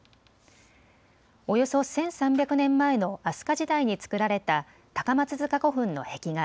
およそ１３００年前の飛鳥時代につくられた高松塚古墳の壁画。